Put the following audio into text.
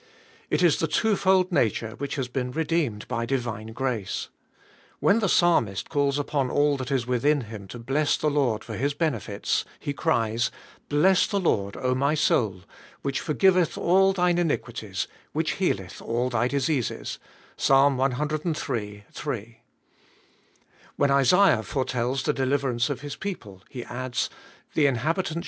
It is the twofold nature which has been redeemed by divine grace. When the Psalmist calls uipon all that is within him to bless the Lord for His benefits, he ories, "Bless the Lord, O my soul, which .... forffivelh all thine iiuirjuities, wWon healeth all thy diseases" (I'sa. dm. 3). When Isaiah foretells the deliveranoe of his people, lie adds, "Ttae inhabitant —— ^^B^B^BJ MTmE HBALIKG.